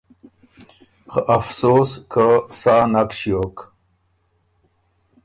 خه افسوس که سا نک ݭیوک